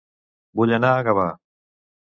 Vull anar a Gavà